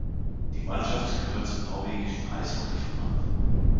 Die Mannschaft gehört zum Norwegischen Eishockeyverband.